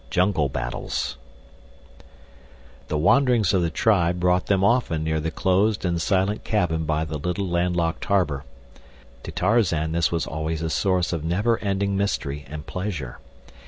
Jungle Battles The wanderings of the tribe brought them often near the closed and silent cabin by the little land locked harbor. To Tarzan this was always a source of never ending mystery and pleasure.